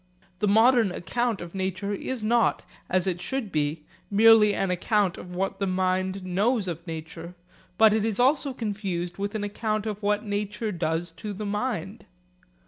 The modern account of nature is not, as it should be, merely an account of what the mind knows of nature; but it is also confused with an account of what nature does to the mind.